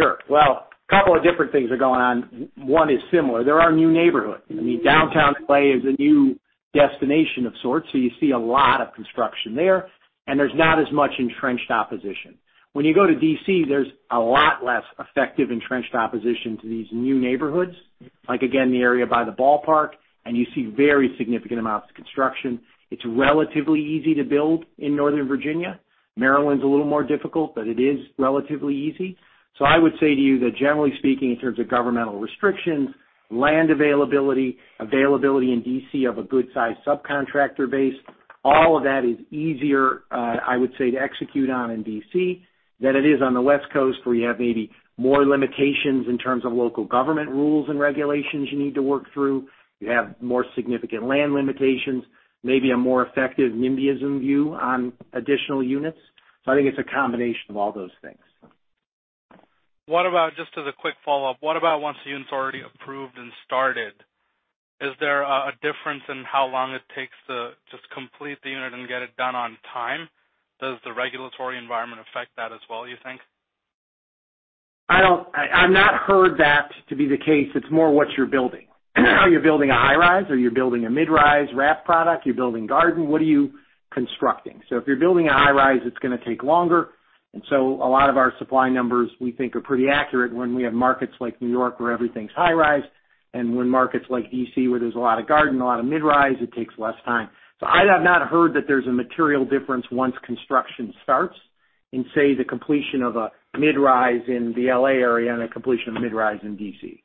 Sure. Well, couple of different things are going on. One is similar. There are new neighborhoods. Downtown L.A. is a new destination of sorts, so you see a lot of construction there, and there's not as much entrenched opposition. When you go to D.C., there's a lot less effective entrenched opposition to these new neighborhoods. Like again, the area by the ballpark, and you see very significant amounts of construction. It's relatively easy to build in Northern Virginia. Maryland's a little more difficult, but it is relatively easy. I would say to you that generally speaking, in terms of governmental restrictions, land availability in D.C. of a good size subcontractor base, all of that is easier, I would say, to execute on in D.C. than it is on the West Coast, where you have maybe more limitations in terms of local government rules and regulations you need to work through. You have more significant land limitations, maybe a more effective NIMBYism view on additional units. I think it's a combination of all those things. What about, just as a quick follow-up, what about once the unit's already approved and started? Is there a difference in how long it takes to just complete the unit and get it done on time? Does the regulatory environment affect that as well, you think? I've not heard that to be the case. It's more what you're building. Are you building a high rise, are you building a mid-rise wrap product? Are you building garden? What are you constructing? If you're building a high rise, it's going to take longer, and so a lot of our supply numbers, we think, are pretty accurate when we have markets like New York where everything's high rise, and when markets like D.C., where there's a lot of garden, a lot of mid-rise, it takes less time. I have not heard that there's a material difference once construction starts in, say, the completion of a mid-rise in the L.A. area and a completion of mid-rise in D.C.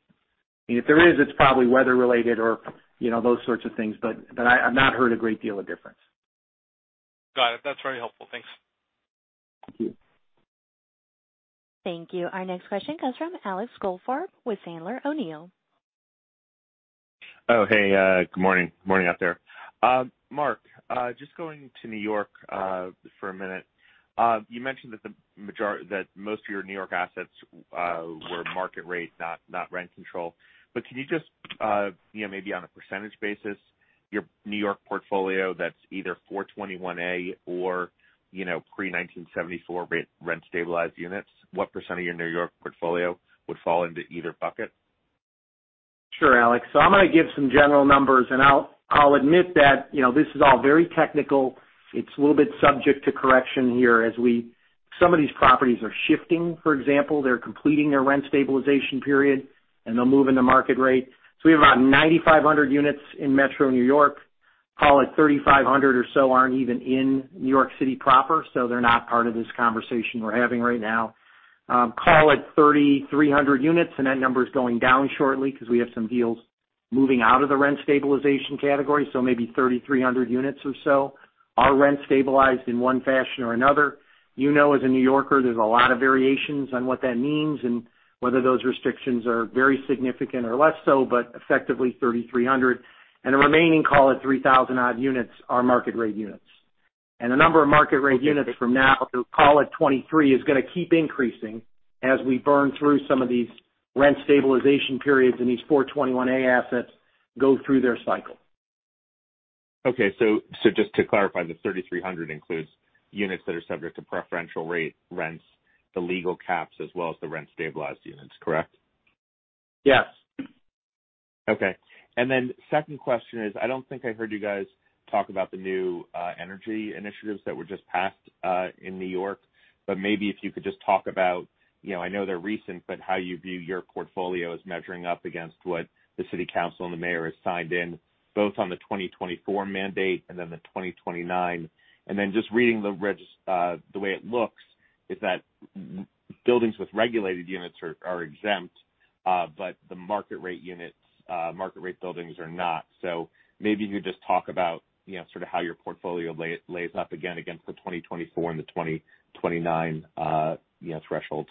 If there is, it's probably weather related or those sorts of things, but I've not heard a great deal of difference. Got it. That's very helpful. Thanks. Thank you. Thank you. Our next question comes from Alex Goldfarb with Sandler O'Neill. Oh, hey, good morning. Morning out there. Mark, just going to New York for a minute. You mentioned that most of your New York assets were market-rate, not rent control. Can you just, maybe on a percentage basis, your New York portfolio that's either 421-a or pre-1974 rent-stabilized units, what % of your New York portfolio would fall into either bucket? Sure, Alex. I'm going to give some general numbers, and I'll admit that this is all very technical. It's a little bit subject to correction here, as some of these properties are shifting, for example. They're completing their rent stabilization period, and they'll move into market rate. We have around 9,500 units in Metro New York. Call it 3,500 or so aren't even in New York City proper, so they're not part of this conversation we're having right now. Call it 3,300 units, and that number is going down shortly because we have some deals moving out of the rent stabilization category, so maybe 3,300 units or so are rent stabilized in one fashion or another. You know as a New Yorker, there's a lot of variations on what that means and whether those restrictions are very significant or less so, but effectively 3,300. The remaining, call it 3,000 odd units are market-rate units. The number of market-rate units from now, call it 2023, is going to keep increasing as we burn through some of these rent stabilization periods and these 421-a assets go through their cycle. Okay. Just to clarify, the 3,300 includes units that are subject to preferential rate rents, the legal caps, as well as the rent-stabilized units, correct? Yes. Okay. Second question is, I don't think I heard you guys talk about the new energy initiatives that were just passed in N.Y. Maybe if you could just talk about, I know they're recent, but how you view your portfolio as measuring up against what the city council and the mayor has signed in, both on the 2024 mandate and the 2029. Just reading the way it looks, is that buildings with regulated units are exempt, but the market-rate buildings are not. Maybe you could just talk about sort of how your portfolio lays up again against the 2024 and the 2029 thresholds.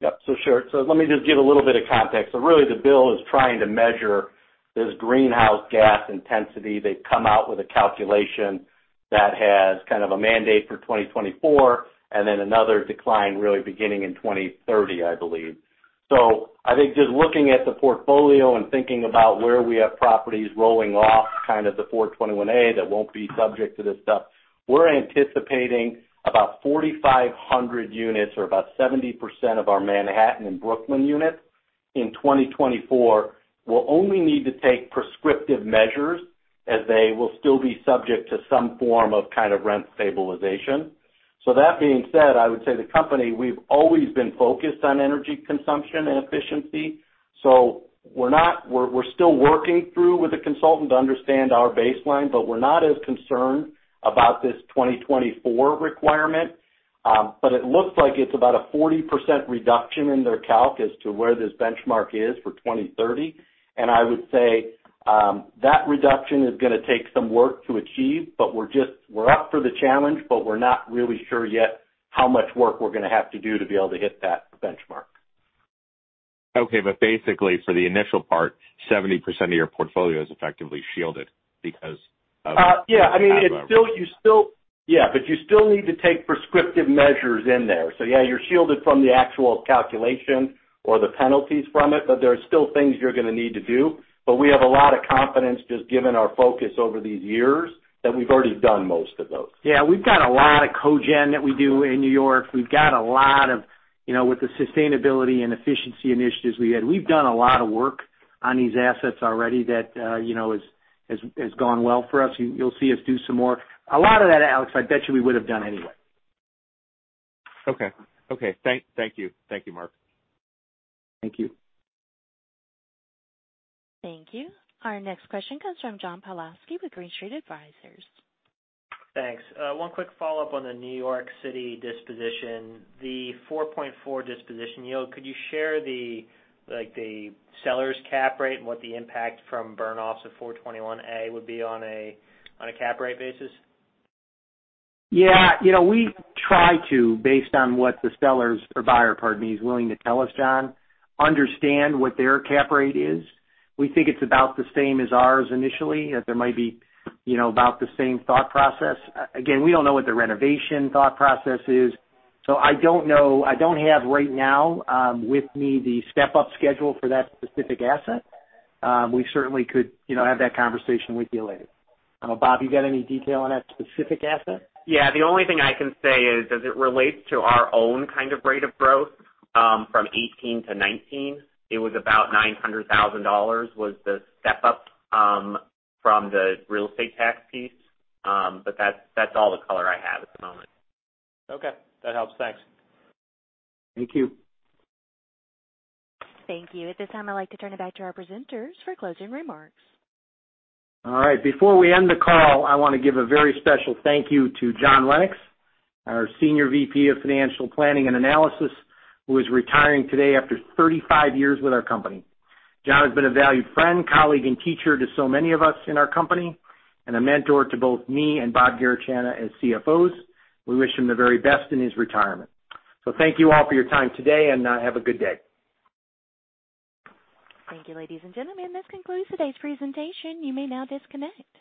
Yep. Sure. Let me just give a little bit of context. Really, the bill is trying to measure this greenhouse gas intensity. They've come out with a calculation that has kind of a mandate for 2024 and then another decline really beginning in 2030, I believe. I think just looking at the portfolio and thinking about where we have properties rolling off kind of the 421-a that won't be subject to this stuff, we're anticipating about 4,500 units or about 70% of our Manhattan and Brooklyn units in 2024 will only need to take prescriptive measures as they will still be subject to some form of kind of rent stabilization. That being said, I would say the company, we've always been focused on energy consumption and efficiency. We're still working through with a consultant to understand our baseline, but we're not as concerned about this 2024 requirement. It looks like it's about a 40% reduction in their calc as to where this benchmark is for 2030. I would say that reduction is going to take some work to achieve, but we're up for the challenge, but we're not really sure yet how much work we're going to have to do to be able to hit that benchmark. Okay, basically for the initial part, 70% of your portfolio is effectively shielded. Yeah. You still need to take prescriptive measures in there. Yeah, you're shielded from the actual calculation or the penalties from it, but there's still things you're going to need to do. We have a lot of confidence, just given our focus over these years, that we've already done most of those. Yeah. We've got a lot of cogen that we do in New York. With the sustainability and efficiency initiatives we had, we've done a lot of work on these assets already that has gone well for us. You'll see us do some more. A lot of that, Alex, I bet you we would have done anyway. Okay. Thank you. Thank you, Mark. Thank you. Thank you. Our next question comes from John Pawlowski with Green Street Advisors. Thanks. One quick follow-up on the New York City disposition. The 4.4 disposition yield, could you share the seller's cap rate and what the impact from burn-offs of 421-a would be on a cap rate basis? Yeah. We try to, based on what the sellers or buyer, pardon me, is willing to tell us, John, understand what their cap rate is. We think it's about the same as ours initially. There might be about the same thought process. Again, we don't know what the renovation thought process is, so I don't have right now with me the step-up schedule for that specific asset. We certainly could have that conversation with you later. Bob, you got any detail on that specific asset? Yeah. The only thing I can say is, as it relates to our own kind of rate of growth from 18 to 19, it was about $900,000 was the step-up from the real estate tax piece. That's all the color I have at the moment. Okay. That helps. Thanks. Thank you. Thank you. At this time, I'd like to turn it back to our presenters for closing remarks. All right. Before we end the call, I want to give a very special thank you to John Lennox, our Senior VP of Financial Planning and Analysis, who is retiring today after 35 years with our company. John has been a valued friend, colleague, and teacher to so many of us in our company and a mentor to both me and Bob Garechana as CFOs. We wish him the very best in his retirement. Thank you all for your time today, and have a good day. Thank you, ladies and gentlemen, this concludes today's presentation. You may now disconnect.